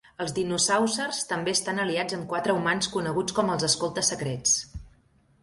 Els Dinosaucers també estan aliats amb quatre humans coneguts com els "Escoltes Secrets".